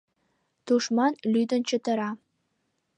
Тушман лӱдын чытыра...